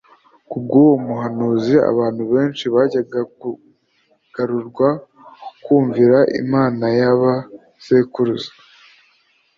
Kubwuwo muhanuzi abantu benshi bajyaga kugarurwa ku kumvira Imana ya ba sekuruza